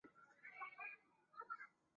行政中心位于萨瓦德尔与塔拉萨。